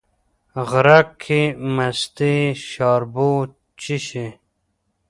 غرک کې مستې شاربو، چې شي